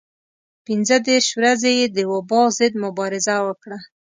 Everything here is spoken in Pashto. پنځه دېرش ورځې یې د وبا ضد مبارزه وکړه.